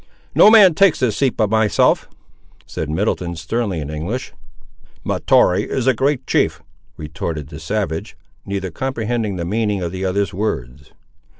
"No man takes this seat but myself," said Middleton, sternly, in English. "Mahtoree is a great chief!" retorted the savage; neither comprehending the meaning of the other's words.